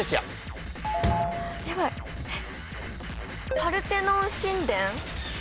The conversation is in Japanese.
パルテノン神殿？